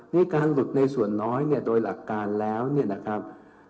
ในการหลุดในส่วนน้อยเนี่ยโดยหลักการแล้วเนี่ยนะครับ